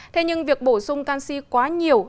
thế nhưng việc bổ sung canxi quá nhiều